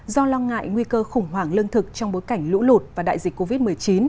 do lo ngại nguy cơ khủng hoảng lương thực trong bối cảnh lũ lụt và đại dịch covid một mươi chín